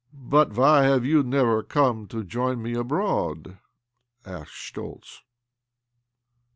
" But why have you never come to join me abroad?" asked Schtoltz.